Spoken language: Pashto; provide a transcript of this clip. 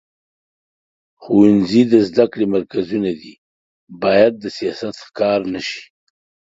ښوونځي د زده کړو مرکزونه دي، باید د سیاست ښکار نه شي.